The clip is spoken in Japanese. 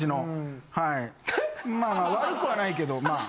まあまあ悪くはないけどまあ。